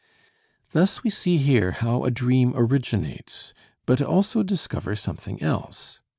Thus we see here how a dream originates, but also discover something else.